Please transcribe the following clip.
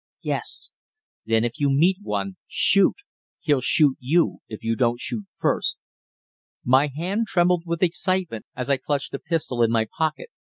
"Yes." "Then if you meet one shoot! He'll shoot you if you don't shoot first." My hand trembled with excitement as I clutched the pistol in my pocket.